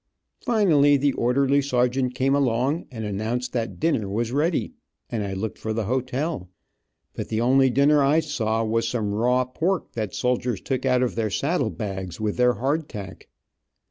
Finally the orderly sergeant came along and announced that dinner was ready, and I looked for the hotel, but the only dinner I saw was some raw pork that soldiers took out of their saddle bags, with hard tack.